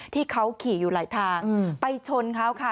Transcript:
ที่เขาขี่อยู่หลายทางไปชนเขาค่ะ